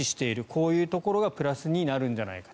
こういうところがプラスになるんじゃないか。